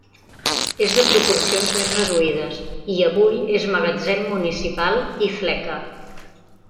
És de proporcions més reduïdes i avui és magatzem municipal i fleca.